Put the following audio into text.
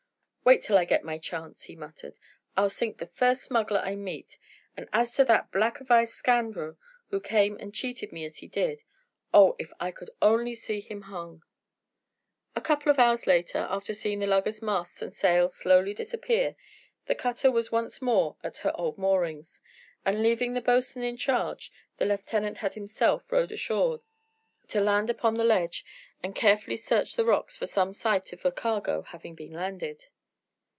"Wait till I get my chance!" he muttered. "I'll sink the first smuggler I meet; and as to that blackavised scoundrel who came and cheated me as he did oh, if I could only see him hung!" A couple of hours later, after seeing the lugger's masts and sails slowly disappear, the cutter was once more at her old moorings, and leaving the boatswain in charge, the lieutenant had himself rowed ashore, to land upon the ledge, and carefully search the rocks for some sight of a cargo having been landed.